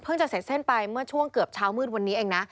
จะเสร็จเส้นไปเมื่อช่วงเกือบเช้ามืดวันนี้เองนะ